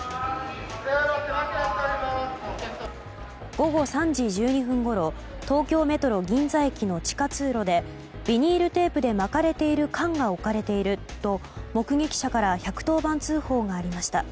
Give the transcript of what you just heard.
午後３時１２分ごろ東京メトロ銀座駅の地下通路でビニールテープで巻かれている缶が置かれていると目撃者から１１０番通報がありました。